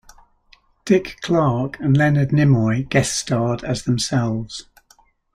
Dick Clark and Leonard Nimoy guest starred as themselves.